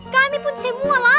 laper sekali aku